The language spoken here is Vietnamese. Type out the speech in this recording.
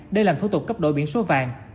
để làm thô tục cấp đổi biển số vàng